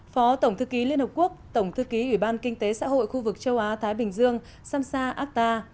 phó tổng thư ký liên hợp quốc tổng thư ký ủy ban kinh tế xã hội khu vực châu á thái bình dương samsar ata